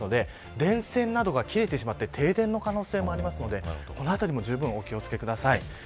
電線が切れて停電の可能性もあるのでこのあたりもじゅうぶんお気を付けください。